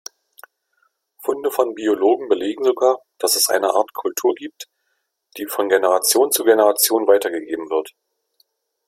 Funde von Biologen belegen sogar, dass es eine Art Kultur gibt, die von Generation zu Generation weitergegeben wird.